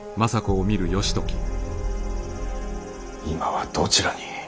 今はどちらに。